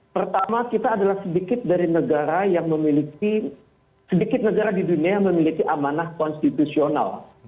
pertama kita adalah sedikit dari negara yang memiliki sedikit negara di dunia yang memiliki amanah konstitusional